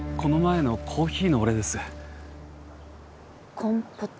コンポタ。